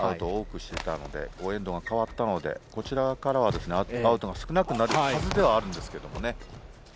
エンドが変わったので、こちらからはアウトが少なくなるはずではあるんですけどね。